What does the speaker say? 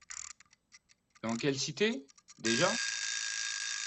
Dans quelle cité, déjà?